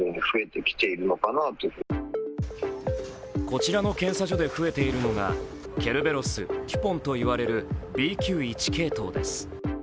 こちらの検査所で増えているのが、ケルベロス・テュポンといわれるＢＱ．１系統です。